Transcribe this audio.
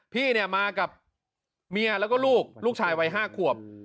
พี่เนี่ยมากับเมียแล้วก็ลูกลูกชายวัย๕ขวบ